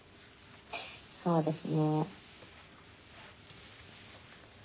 そうですね。